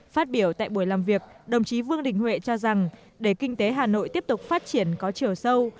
phát biểu tại buổi làm việc đồng chí vương đình huệ cho rằng để kinh tế hà nội tiếp tục phát triển có chiều sâu